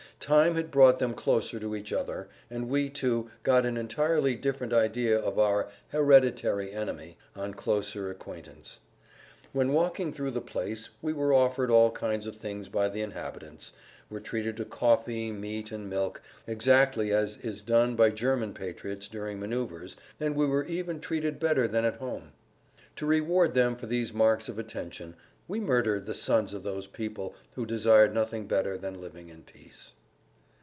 Time had brought them closer to each other, and we, too, got an entirely different idea of our "hereditary enemy" on closer acquaintance. When walking through the place we were offered all kinds of things by the inhabitants, were treated to coffee, meat, and milk, exactly as is done by German patriots during maneuvers and we were even treated better than at home. To reward them for these marks of attention we murdered the sons of those people who desired nothing better than living in peace.